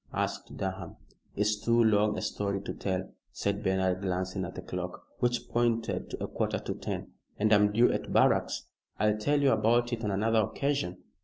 asked Durham. "It's too long a story to tell," said Bernard, glancing at the clock, which pointed to a quarter to ten, "and I'm due at barracks. I'll tell you about it on another occasion.